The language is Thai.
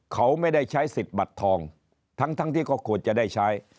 เขาไม่ได้ใช้สิทธิ์บัตรทองทั้งที่ก็ควรจะได้ใช้